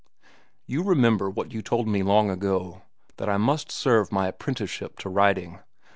You remember what you told me long ago, that I must serve my apprenticeship to writing.